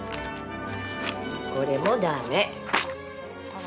これも駄目。